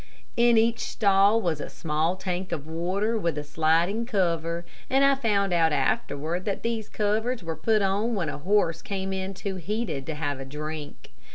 In each stall was a small tank of water with a sliding cover, and I found out afterward that these covers were put on when a horse came in too heated to have a drink.